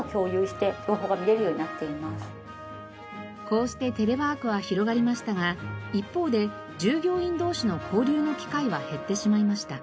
こうしてテレワークは広がりましたが一方で従業員同士の交流の機会は減ってしまいました。